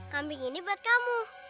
kambing ini buat kamu